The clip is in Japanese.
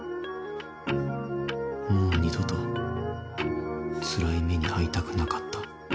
もう二度とつらい目に遭いたくなかった。